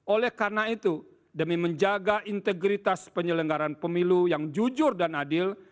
oleh karena itu demi menjaga integritas penyelenggaran pemilu yang jujur dan adil